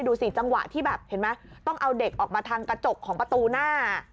ดูสิจังหวะที่แบบเห็นไหมต้องเอาเด็กออกมาทางกระจกของประตูหน้า